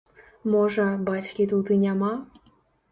Можа, бацькі тут і няма?